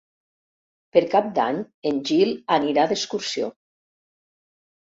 Per Cap d'Any en Gil anirà d'excursió.